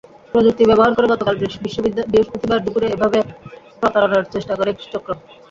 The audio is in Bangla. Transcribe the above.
প্রযুক্তি ব্যবহার করে গতকাল বৃহস্পতিবার দুপুরে এভাবে প্রতারণার চেষ্টা করে একটি চক্র।